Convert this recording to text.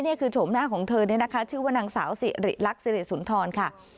นี่คือโฉมหน้าของเธอชื่อว่านางสาวศรีริรักษ์ศรีริสุนทรค่ะ